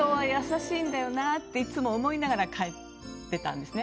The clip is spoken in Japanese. っていっつも思いながら書いてたんですね。